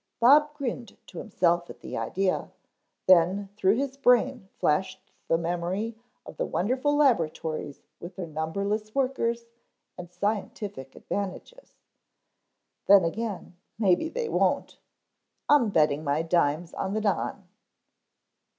Bob grinned to himself at the idea, then through his brain flashed the memory of the wonderful laboratories with their numberless workers and scientific advantages. "Then again, maybe they won't. I'm betting my dimes on the Don."